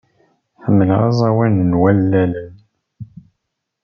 Ḥemmleɣ aẓawan n wallalen.